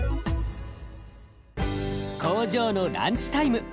工場のランチタイム。